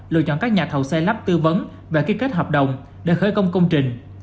lựa chọn các nhà thầu xây lắp tư vấn và ký kết hợp đồng để khởi công công trình